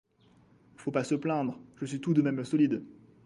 Faut pas se plaindre, je suis tout de même solide.